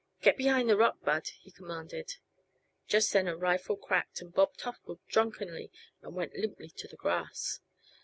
"Get behind the rock, Bud," he commanded. Just then a rifle cracked, and Bob toppled drunkenly and went limply to the grass.